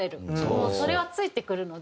もうそれはついてくるので。